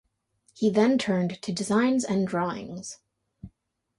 He then turned to designs and drawings.